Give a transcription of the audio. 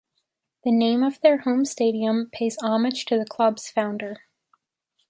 The name of their home stadium pays homage to the club's founder.